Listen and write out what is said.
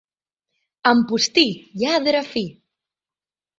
Ampostí, lladre fi.